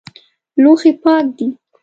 لوښي پاک دي؟